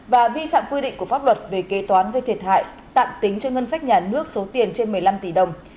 và vi phạm quy định của pháp luật về kế toán gây thiệt hại tạm tính cho ngân sách nhà nước số tiền trên một mươi năm tỷ đồng